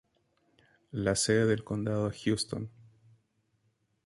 La sede del condado es Houston.